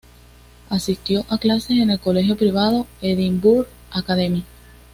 Asistió a clase en el colegio privado Edinburgh Academy.